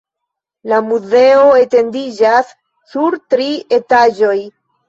La muzeo etendiĝas sur tri etaĝoj.